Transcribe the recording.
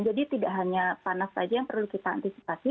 jadi tidak hanya panas saja yang perlu kita antisipasi